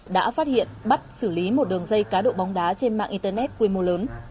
đã phát hiện bắt xử lý một đường dây cá độ bóng đá trên mạng internet quy mô lớn